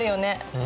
うん。